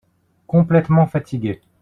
Complètement fatigué.